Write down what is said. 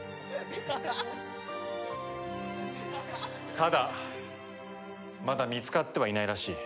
ただまだ見つかってはいないらしい。